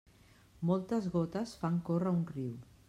Moltes gotes fan córrer un riu.